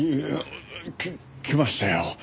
き来ましたよ。